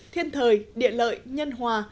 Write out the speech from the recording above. thiên thời địa lợi nhân hòa